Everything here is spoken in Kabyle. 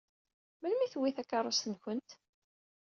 Melmi i tewwi takeṛṛust-nkent?